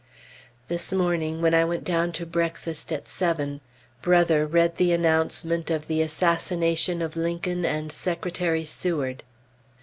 This morning, when I went down to breakfast at seven, Brother read the announcement of the assassination of Lincoln and Secretary Seward.